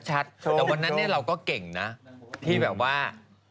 แต่วันนั้นเราก็เก่งนะที่แบบว่า